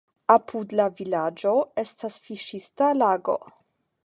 Apud la vilaĝo estas fiŝista lago.